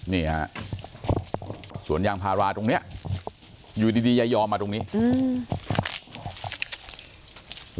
นี่ฮะสวนยางพาราตรงเนี้ยอยู่ดีดียายอมมาตรงนี้อืม